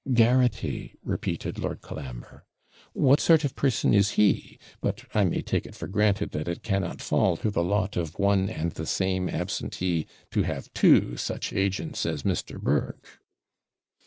'Garraghty!' repeated Lord Colambre; 'what sort of a person is he? But I may take it for granted, that it cannot fall to the lot of one and the same absentee to have two such agents as Mr. Burke.'